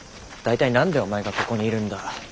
大体何でお前がここにいるんだ。